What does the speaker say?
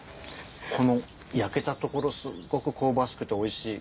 この焼けたところすっごく香ばしくておいしい。